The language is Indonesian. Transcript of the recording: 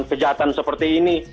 kejahatan seperti ini